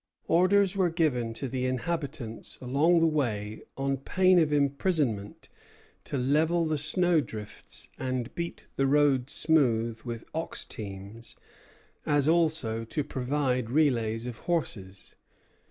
Orders were given to the inhabitants along the way, on pain of imprisonment, to level the snowdrifts and beat the road smooth with ox teams, as also to provide relays of horses.